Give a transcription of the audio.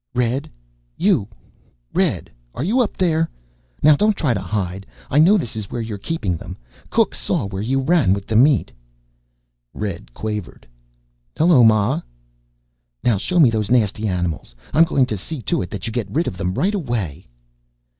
"Red! You, Red! Are you up there? Now don't try to hide. I know this is where you're keeping them. Cook saw where you ran with the meat." Red quavered, "Hello, ma!" "Now show me those nasty animals? I'm going to see to it that you get rid of them right away."